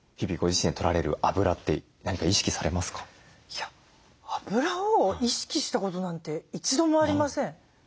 いやあぶらを意識したことなんて一度もありません。